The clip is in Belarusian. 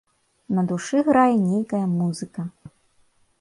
На душы грае нейкая музыка.